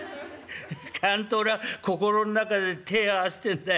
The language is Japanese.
ちゃんと俺は心の中で手ぇ合わせてんだい。